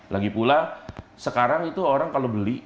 lagipula sekarang itu orang kalau beli